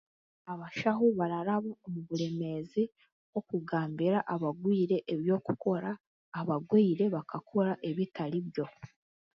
Abashaho bararaba omu buremeezi bw'okugambira abagwire eby'okukora abagwire bakakora ebitaribyo